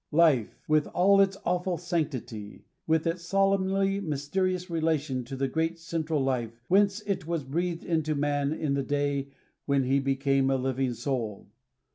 Life !— with all its awful sanctity, with its solemnly mysterious relation to the Great Central Life whence it was breathed into man in the day when he became a living soul